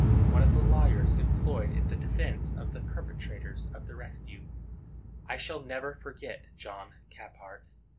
one of the lawyers employed in the defence of the perpetrators of the rescue. I shall never forget John Caphart.